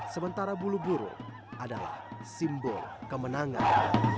sementara bulu burung adalah simbol kemenangan